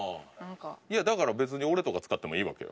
いやだから別に俺とか使ってもいいわけよ。